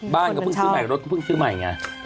บ้านเขาก็เพิ่งซื้อใหม่รถเขาก็เพิ่งซื้อใหม่อย่างนี้